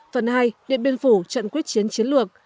phần hai điện biên phủ trận quyết chiến chiến lược